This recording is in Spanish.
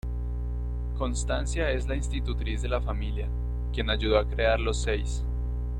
Constancia es la institutriz de la familia, quien ayudó a crear los seis.